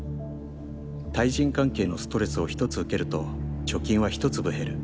対人関係のストレスを１つ受けると貯金は、１粒減る。